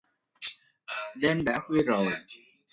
Đêm đã khuya rồi